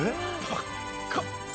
高っ。